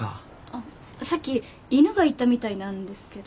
あっさっき犬がいたみたいなんですけど。